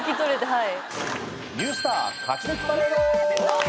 はい。